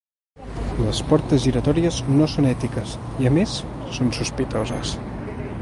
Les portes giratòries no són ètiques i a més són sospitoses.